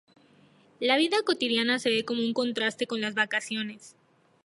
La vida cotidiana se ve como un contraste con las vacaciones.